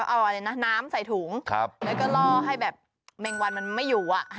เอาอะไรนะน้ำใส่ถุงแล้วก็ล่อให้แบบแมงวันมันไม่อยู่